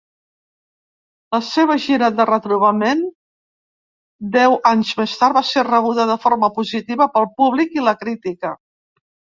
La seva gira de retrobament deu anys més tard va ser rebuda de forma positiva pel públic i la crítica.